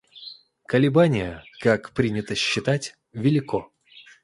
Колебание, как принято считать, велико.